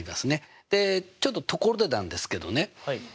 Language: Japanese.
でちょっとところでなんですけどね